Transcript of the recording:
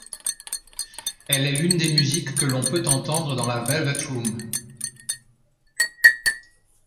Elle est l'une des musiques que l'on peut entendre dans la Velvet Room.